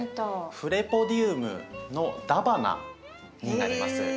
フレポディウムのダバナになります。